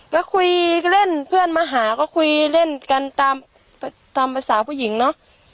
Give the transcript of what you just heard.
ก็คุยเล่นเพื่อนมาหาก็คุยเล่นกันตามภาษาผู้หญิงเนอะ